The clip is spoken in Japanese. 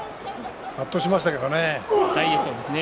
圧倒しましたけどね大栄翔。